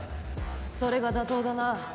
それが妥当だな。